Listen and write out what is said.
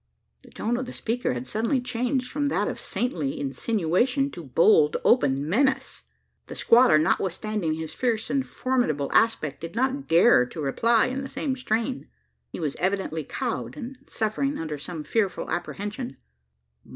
The tone of the speaker had suddenly changed, from that of saintly insinuation, to bold open menace. The squatter, notwithstanding his fierce and formidable aspect, did not dare to reply in the same strain. He was evidently cowed, and suffering under some fearful apprehension.